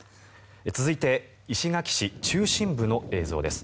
続いて、石垣市中心部の映像です。